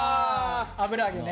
油揚げね。